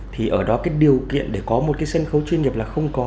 thì ở đó cái điều kiện để có một cái sân khấu chuyên nghiệp là không có